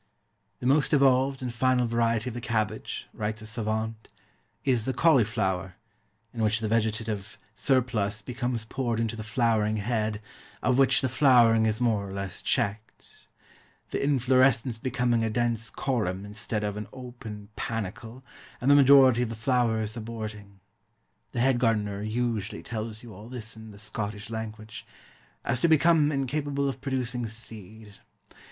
"The most evolved and final variety of the cabbage," writes a savant, "is the CAULIFLOWER, in which the vegetative surplus becomes poured into the flowering head, of which the flowering is more or less checked; the inflorescence becoming a dense corymb instead of an open panicle, and the majority of the flowers aborting" the head gardener usually tells you all this in the Scottish language "so as to become incapable of producing seed.